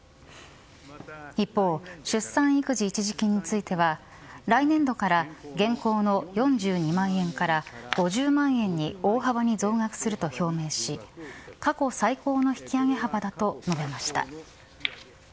一方、出産育児一時金については来年度から現行の４２万円から５０万円に大幅に増額すると表明し過去最高の引き上げ幅だと述べました。